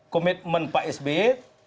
komitmen pak sby